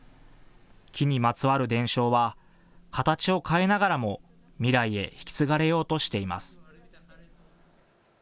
木にまつわる伝承は形を変えながらも未来へ引き継がれようとしています。